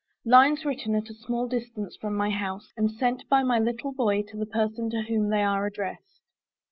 LINES WRITTEN AT A SMALL DISTANCE FROM MY HOUSE, AND SENT BY MY LITTLE BOY TO THE PERSON TO WHOM THEY ARE ADDRESSED.